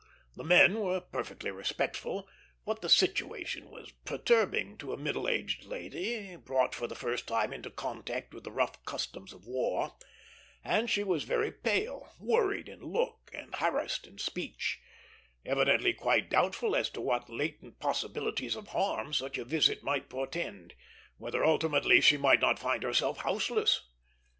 The men were perfectly respectful, but the situation was perturbing to a middle aged lady brought for the first time into contact with the rough customs of war, and she was very pale, worried in look, and harassed in speech; evidently quite doubtful as to what latent possibilities of harm such a visit might portend whether ultimately she might not find herself houseless.